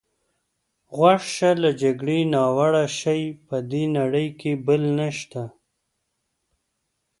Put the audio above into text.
غوږ شه، له جګړې ناوړه شی په دې نړۍ کې بل نشته.